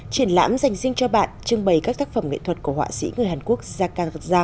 triển lãm dành riêng cho bạn trưng bày các tác phẩm nghệ thuật của họa sĩ người hàn quốc gia cang thuật giang đang diễn ra tại hà nội